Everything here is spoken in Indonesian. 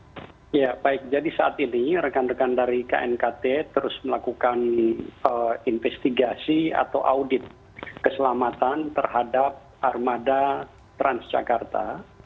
ya baik jadi saat ini rekan rekan dari knkt terus melakukan investigasi atau audit keselamatan terhadap armada transjakarta